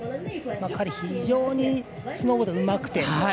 彼、非常にスノーボードうまくて。